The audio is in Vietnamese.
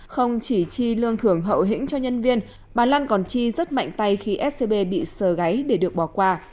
không chỉ chi lương thưởng hậu hĩnh cho nhân viên bà lan còn chi rất mạnh tay khi scb bị sờ gáy để được bỏ qua